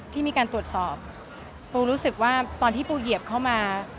ที่มีการตรวจสอบปูรู้สึกว่าตอนที่ปูเหยียบเข้ามา